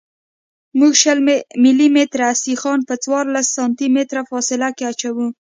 موږ شل ملي متره سیخان په څوارلس سانتي متره فاصله کې اچوو